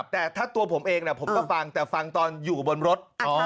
แต่ถ้าตัวผมเองผมก็ฟังแต่ฟังตอนอยู่บนรถ